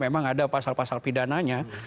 memang ada pasal pasal pidananya